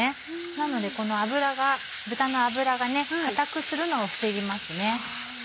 なのでこの脂が豚の脂が硬くするのを防ぎますね。